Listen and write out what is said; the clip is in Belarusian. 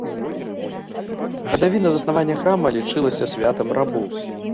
Гадавіна заснавання храма лічылася святам рабоў.